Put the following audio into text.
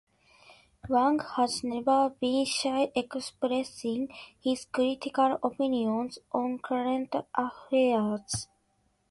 Wang has never been shy expressing his critical opinions on current affairs.